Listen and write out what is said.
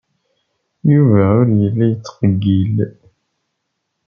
Yuba ur yelli yettqeyyil.